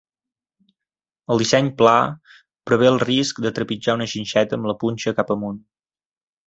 El disseny "pla" prevé el risc de trepitjar una xinxeta amb la punxa cap amunt.